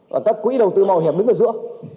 và các quỹ đầu tư mòi hẻm đứng ở giữa